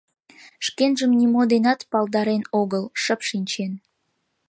Шкенжым нимо денат палдарен огыл, шып шинчен.